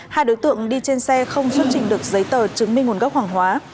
hai đối tượng đi trên xe không xuất trình được giấy tờ chứng minh nguồn gốc hàng hóa